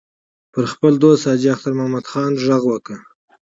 پر خپل دوست حاجي اختر محمد خان غږ وکړ.